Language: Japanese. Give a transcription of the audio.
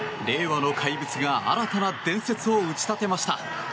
令和の怪物が新たな伝説を打ち立てました。